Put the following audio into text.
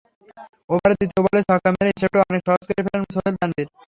ওভারের দ্বিতীয় বলেই ছক্কা মেরে হিসাবটা অনেক সহজ করে ফেলেন সোহেল তানভীর।